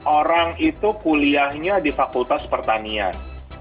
orang itu kuliahnya di fakultas pertanian